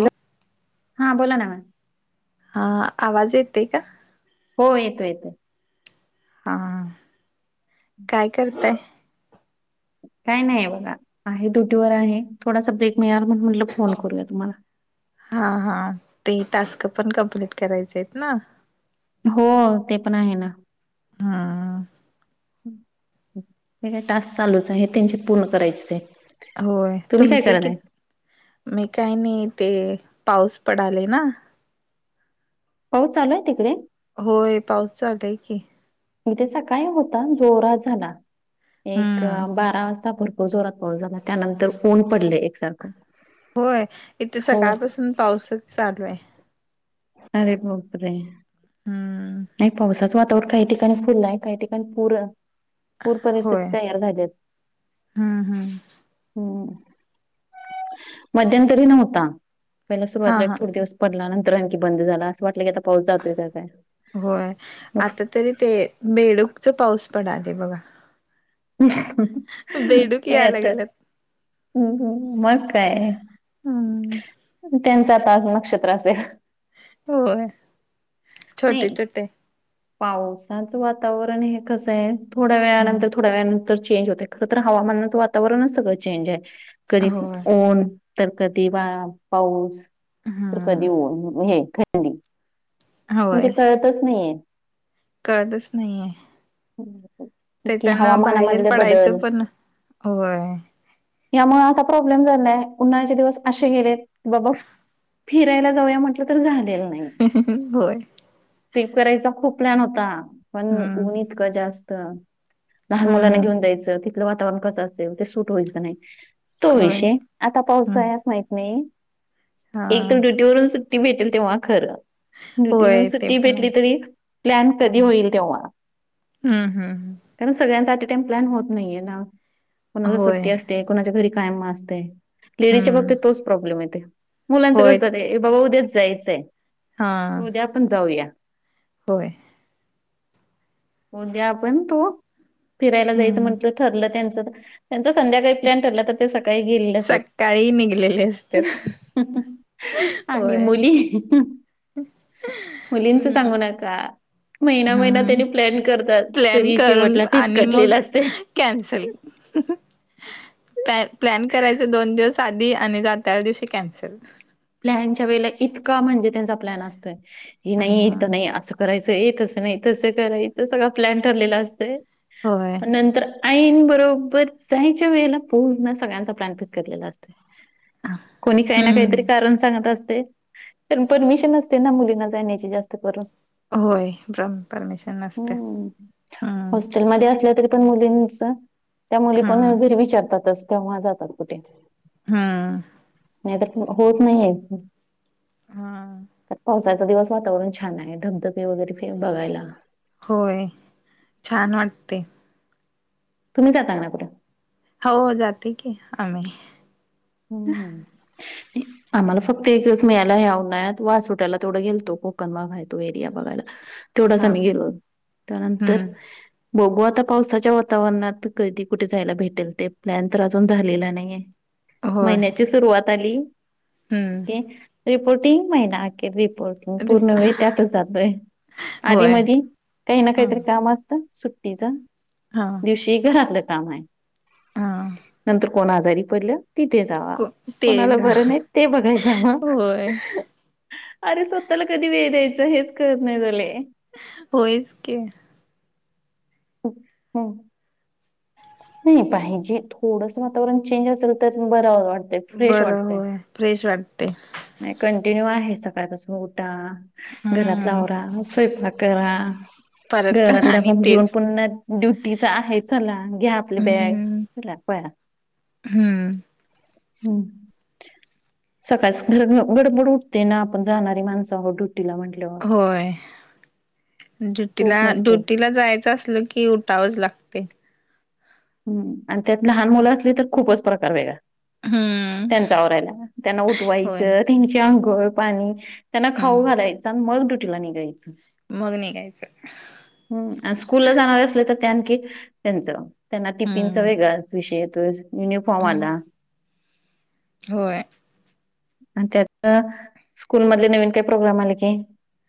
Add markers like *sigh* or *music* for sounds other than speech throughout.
हो, हां बोला ना मॅम. हा आवाज येतय का? हो येतो येतो. हा काय करताय? काय नाही आहे बघा, आहे ड्युटीवर आहे, थोडासा ब्रेक मिळाल म्हण म्हटलं फोन करूया तुम्हाला. हा हा ते टास्क पण कम्प्लीट करायचे आहेत ना. हो ते पण आहे ना. हा. ते का काय टास्क चालूच आहे, त्यांच्ये पूर्ण करायचेच आहे. होय, तुम्ही काय तुमचे, करत आहे नाही काही नाही ते पाऊस पडालेय ना. पाऊस चालूय तिकडे? होय पाऊस चालू हाय कि. इथं सकाळी होता जोरात झाला एक हम्म बारा वाजता भर तो जोरात पाऊस झाला त्यानंतर ऊन पडलय एकसारखं. होय इथं हो सकाळ पासून पाऊसच चालू हाय. अरे बाप रे हम्म नाही पावसाचं वातावरण काही ते *unintelligible* काही ठिकाणी पुर पूर परिस्थिती होय तयार झाल्याच. हम्म हम्म हम्म मध्यंतरी नव्हता. पहिला हा सुरुवातीला हा एक थोडे दिवस पडला नंतर आणखी बंद झाला असं वाटलं की आता पाऊस जातोय काय काय. होय आता तरी ते बेडूकच पाऊस पडालय बघा. बेडूक काय यायला आता लागल्यात मग काय.. हम्म त्यांचं आता आज नक्षत्र असेल.. होय. छोटे नाही छोटे पावसाचं वातावरण हे कसं हाय थोड्या वेळ्या हम्म नंतर, थोड्या वेळ्या नंतर चेंज होतय. खर तर हवामानाचं वातावरणच सगळं चेंज हाय. कधी होय ऊन तर कधी वा पाऊस. तर हम्म कधी ऊन हे थंडी होय म्हणजे कळतच नाहीये. कळतच नाहीये. नाहीये की तेच्यान बाहेर हवामानामधले बदल पडायचं पण.. व्हय... यामुळे असा प्रॉब्लेम झालाय उन्हाळ्याचे दिवस अशे गेलेत बाबा फिरायला जाऊया म्हटलं तर झालेलं नाहीये. होय. ट्रीप करायचा खूप प्लॅन होता पण हम्म ऊन इतकं जास्त लहान मुलांना हम्म घेऊन जायचं तिथलं वातावरण कसं असेल ते सूट होईल का नाही तो होय विषय. आता हम्म पावसाळ्यात माहित नाही हा एक तर ड्युटीवरून सु ट्टी भेटेल तेव्हा खरं. ड्युटी वरून होय ते सुट्टी पण आहे भेटली तरी प्लॅन कधी होईल तेंव्हा. हम्म हम्म हम्म..... कारण सगळ्यांचा ॲट टाईम प्लॅन होत नाहीये ना कोणाला होय सुट्टी असते कोणाच्या घरी काम असतयं. लेडीजच्या हम्म बाबतीत तोच प्रॉब्लेम येतोय. मुलांचं होय कसं ये बाबा उद्याच जायचयं. हा उद्या पण जाऊया होय. उद्या आपण तु फिरायला जायचं हम्म म्हटलं ठरलं त्यांचं तर त्यांचा संध्याकाळी प्लॅन ठरला तर ते सकाळी गेलेले असतात. सकाळी निघलेले असतात आणि होय मुली मुलींच हम्म सांगू नका. महिना महिना हम्म तेंनी प्लॅन करतात. प्लॅन तरी करून शेवटला आणि मग फिस्कटलेलं असतय. कॅन्सल... काय प्लॅन करायच दोन दिवस आधी. आणि जात्याला दिवशी कॅन्सल. प्लॅनच्या वेळेला इतका म्हणजे त्यांचा प्लॅन असतोय, की नाही हा इथं नाही असं करायचं ए तसं नाही, तसं करायच. सगळा प्लॅन ठरलेला असतोय. होय. पण नंतर ऐन बरोबर जायच्या वेळेला पूर्ण सगळ्यांचा प्लॅन फिक्सकटलेला केलेला असतोय. कुणी काय ना कायतरी हम्म म्हणत असतयं. पण परमिशन नसते ना मुलींना जाण्याची जास्त करून. होय. *unintelligible* परमिशन नसते. हम्म. हम्म हॉस्टेलमध्ये असलं तरी पण मुलींच त्या मुली पण हम्म. घरी विचारतातच. तेव्हा जातात कुठे. हम्म. नाही तर होत नाहीे. हा पा सायचा दिवस वातावरण छान आहे. धबधबे वगैरेे बघायला. होय, छान वाटतंय. तुम्ही जाता का नाय कुठ? हो जाते की आम्ही. हम्म- हम्म. *inaudible* आम्हाला फक्त एक दिवस मिळायला हया उन्हाळ्यात. वासोटायला तेवढं गेलतो. कोकण बघाय तो एरिया बघायला. तेवढंच हा आम्ही हा गेलो. हम्म त्यानंतर बघू आता पावसाच्या वातावरणात, कधी कुठे जायला भेटेल ते. प्लॅन तर अजून झालेला नाहीये. होय महिन्याची सुरुवात आली. हम्म. रिपोर्ट येइन महिना अखेर रिपोर्ट. पूर्ण वेळ त्यातच जातोय. आधी होय मधी काही ना काहीतरी हम्म काम असतंय सुट्टीच. हा. दिवशी घरातलं काम आहे. हा. नंतर कोण आजारी पडलं. तिथे जावा. ते कोणाला जा बरं नाही ते बघायचं मग. होय अरे स्वतःला कधी वेळ द्यायचं हेच कळत नाही झाले. होय की. हम्म- हम्म. नाही पाहिजे. थोडसं वातावरण चेंज असेल, तर बर वाट बरं होय. फ्रेश वाटतंय. नाही कंटिन्यू आहे. सकाळपासून उठा, घरातलं हम्म आवरा, स्वयंपाक करा. परत घरात आणि घेऊन तेच पुन्हा ड्युटीच आहे चला घ्या आपली बॅग हम्म हम्म *inaudible* सकाळच घर गडबड उठते ना. आपण जाणारी माणसं आहोत ड्युटीला म्हण होय. ड्युटीला खूप म्हणजे खूप ड्युटीला जायचं असलं की उठावंच लागत. हम्म. त्यात लहान मुलं असली खूपच प्रकार वेगळा. हम्म त्यांचा आवरायला. त्यांना होय उठवायचं, त्यांची आंघोळ पाणी त्यांना खाऊ हम्म घालायचं. आणि मग ड्युटीला निघायचं. मग निघायचं. हम्म. स्कूल ला जाणार असलं तर, त्या आणखी त्यांचं त्यांना टिफिनचाच हम्म वेगळाच विषय येतोय. युनिफॉर्म हम्म आला. होय. त्यात स्कूल मधले नवीन काही प्रोग्राम आले की.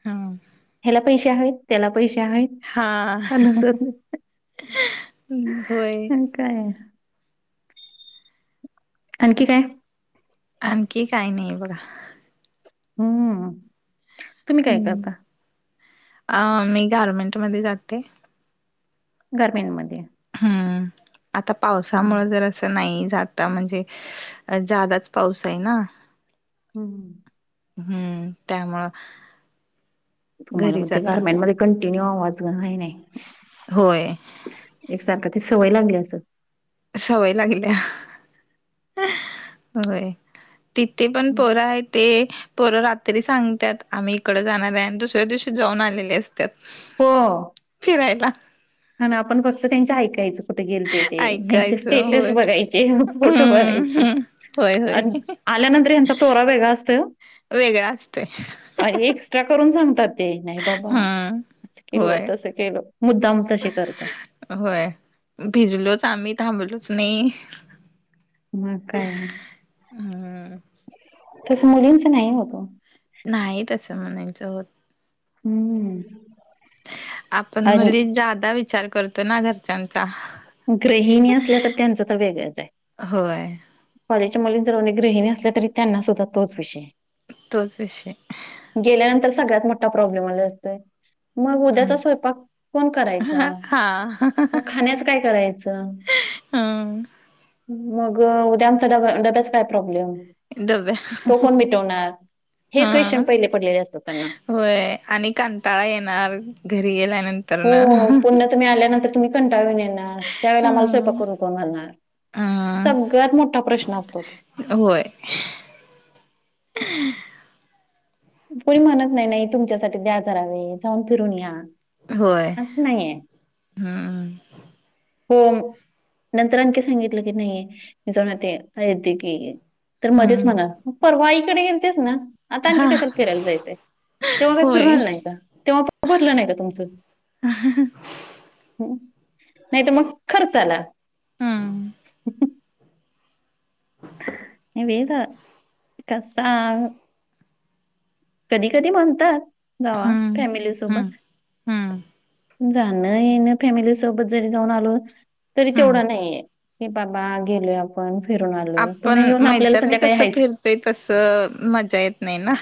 हम्म ह्याला पैसे- पैसे आहेत. हा चालूच होतंय होय. आणि काय. आणखी काय? आणखी काही नाही बघा. हम्म. तुम्ही काय हम्म करता अ मी गारमेंट मध्ये जाते. गारमेंट मध्ये. हम आता पावसामुळे नाही जात. आता म्हणजे जादाच पाऊस आहे ना. हम् हम. हम्म त्यामुळं. तुम्हाला घरीच आता गर्म्यांनमध्येध्ये कंटिन्यू आवाजय नाही. होय. एकसारखा ती सवय लागली असं. सवय लागल्या होय. तिथे पण पोरं आहेत. ते पोरं रात्री सांगतात आम्ही इकड जाणार आहे आणि दुसऱ्या दिवशी जाऊन आलेले असतात. हो. फिरायला. हा आपण फक्त त्यांची ऐकायचं कुठे गेलतीत. ते हचे ऐकायचं स्टेटस होय बघायचे फोटो बघायचे हम्म होय होय आणि. आल्यानंतर ह्यांचा तोरा वेगळा असतो. वेगळा असतोय. अ एक्स्ट्रा करून सांगतात ते नाही बाबा हम्म अस केल होय तसं केलं मुद्दाम. करतात. होय भिजलोच आम्ही थांबलोच नाही. मग काय हम्म तस मुलींच नाही होतो. नाही तसं म्हणायचं होत. हम्म. आणि आता विचार करतोय ना घरच्यांचा. ग्रहिणी असल्या तर त्यांचं तर वेगळंच आहे. होय. कॉलेजच्या मुलीन जर अनेक ग्रहिणी असल्या तरी त्यांना सुद्धा तोच विषय. तोच विषय. गेल्यानंतर सगळ्यात मोठा प्रॉब्लेम आला असतोय. मग उद्याचा स्वयंपाक कोण करायचा हा मग खाण्याच काय करायचं. हम. मग उद्या आमचा डब्याच्या काय प्रॉब्लेम. डब्या तो कोण मिटवणार हे हा क्वेशशन पहिले पडलेले असत त्यांना. होय आणि कंटाळा येणार घरी गेल्यानंतर. हो न पुन्हा तुम्ही आल्यानंतर तुम्ही कंटाळून येणार त्यावेळे आम्हाला स्वयपाक करूनकून घालणार. अ सगळ्यात मोठा प्रश्न असतो. होय. कोणी म्हणत नाही. नाही तुमच्यासाठी द्या जरा वेळ जाऊन फिरून या. होय असं नाहीये हम्म हो. नंतर आणखी सांगितलं की नाहीे जाऊन येते अयोध्ये्य की. तर मध्येच हम्म मणा परवाईकडे गेलतेच ना आता आणखी हा कशाला. फिरायला जायच तेव्हा काही होय फिरुण नाही का तेव्हा भरलं नाही का तुमच. ह नाही तर मग खर्च आला. हम ह कसा कधी कधी म्हणतात जावा हम्म हम्म फॅमिलीसोबत हम्म जाणं येण फॅमिली सोबत जरी जाऊन आलो. तरी हम्म तेवढा नाहीये की बाबा गेलो आपण आपण फिरून आलोय पुन्हा येऊन आपल्याला संध्याकाळी हायच ते कस मजा येत नाही ना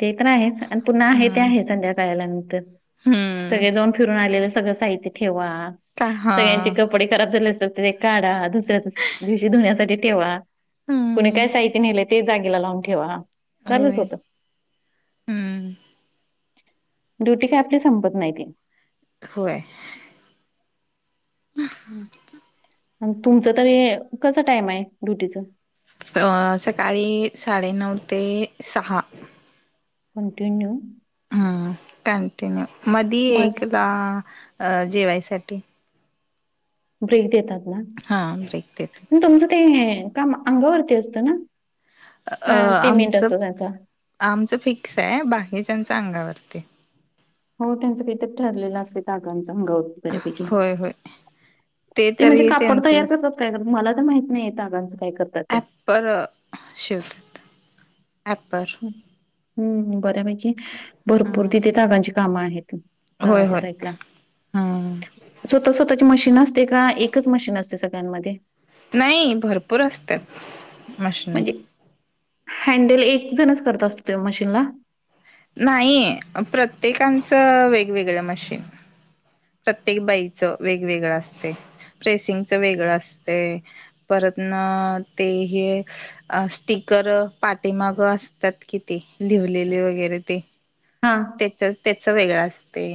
ते तर आहे आणि पुन्हा आहे ते हम्म आहे संध्याकाळल्या नंतर हम्म सगळे जाऊन फिरून आलेलं सगळं साहित्य ठेवा का हा सगळ्यांची कपडे कपडे खराब झाले असात ते काढा दुसऱ्या दिवशी धुण्यासाठी ठेवा कुणी हम्म काय साहित्य नेलं ते जागेला लावून ठेवा. चालूच होय, होतं हम्म ड्युटी काय आपली संपत नाही ती होय तुमच तरी कस टाइम आहे ड्युटीच अ सकाळी साडेनऊ ते सहा कंटिन्यू हम्, कंटिन्यू मधी मध्ये एकदा जेवायसाठी ब्रेक देतात ना आणि हा ब्रेक देतात. तुमचं ते काम अंगावरती असतं ना, अ का पेमेंट आमचं असतो त्याचा आमचं फिक्स आहे, बाकीच्याच अंगावरती हो त्यांचं काय ठरलेलं असते त तागाचं बऱ्यापैकी होय होय ते म्हणजे तरी कापड त्यांचं तयार करतात मला तर माहित नाहीेत तागांचं काय करतात ते ॲप्पर शिवतात, ॲप्पर हम्म बऱ्यापैकी भरपूर तीथं हम्म तागाची कामं आहेत. होय तागाच्या होय साईडला हम्म स्वतः स्वतःची मशीन अस ते का एकच मशीन असते सगळ्यांमध्ये नाही भरपूर असतात. मशनी म्हणजे हँडल एक जणच करत असतो मशीनला नाहीय, प्रत्येकांचं वेगवेगळं मशीन प्रत्येक बाईचं वेगवेगळं असते रेसिंगच वेगळं असते परतन ते हे अ स्टीकर पाठीमागं असतात किती लिवलेले वगैरे ते, हा त्याच वेगळं असते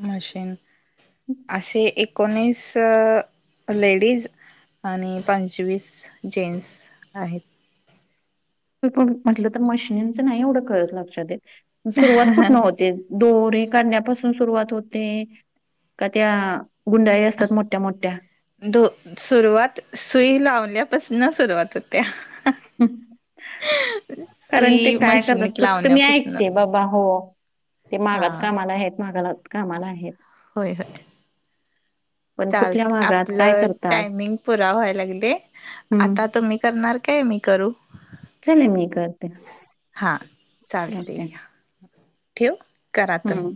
मशीन असे एकोणीस लेडीज आणि पंचवीस जेन्स आहेत म्हटलं तर मशिनीचं नाही एवढं कळत लक्षातेत सुरुवात कुठनं होते. दोरे काढण्यापासून सुरुवात होते, का त्या गुंडाई असत्यात मोठ्या मोठ्या धो सुरुवात सुई लावल्यापासन सुरुवात होत्या. हम्, कारण ते सुई काय करत मशनीत फक्त मी लावण्यापासन ऐकते बाबा हो ते हा मागात कामाला आहेत मागाला कामाला आहेत. होय होय.? पण कुठल्या चालतय. मागात काय आपलं करतात टायमिंग पुरा व्हाय लागलय हम्म आता तुम्ही करणार काय मी करू? चले मी करते.? हां चालतेय. ओके ठेवु? करा तुम्ही. हम्म